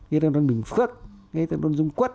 ethanol bình phước ethanol dung quất